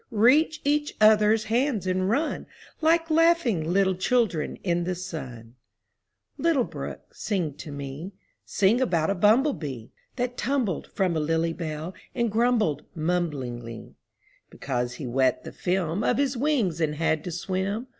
Reach each other's hands and run Like laughing little children in the sun ! Little brook, sing to me: Sing about a bumblebee That tumbled from a lily bell and grumbled mumblingly, Because he wet the film Of his wings and had to swim.